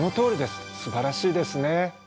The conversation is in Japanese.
すばらしいですね。